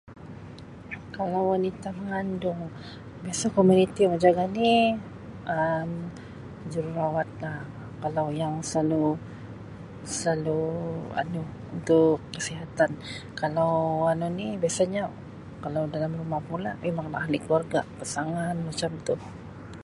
Kalau wanita mengandung biasa komuniti yang jaga ni Um jururawat lah kalau yang selalu selalu anu untuk kesihatan kalau anu ni biasanya kalau dalam rumah pula mimanglah ahli keluarga pasangan macam tu.